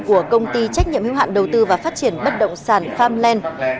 của công ty trách nhiệm hiếu hạn đầu tư và phát triển bất động sản pham len